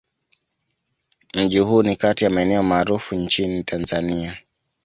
Mji huu ni kati ya maeneo maarufu nchini Tanzania.